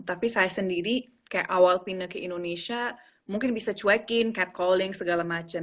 tapi saya sendiri kayak awal pindah ke indonesia mungkin bisa cuekin cat calling segala macam